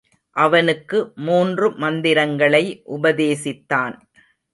அவனுக்கு மூன்று மந்திரங்களை உபதேசித்தான்.